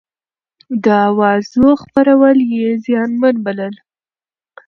د اوازو خپرول يې زيانمن بلل.